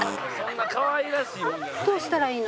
どうしたらいいの？